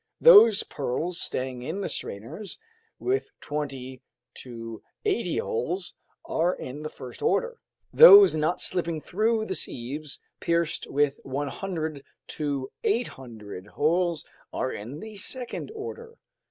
Those pearls staying in the strainers with twenty to eighty holes are in the first order. Those not slipping through the sieves pierced with 100 to 800 holes are in the second order.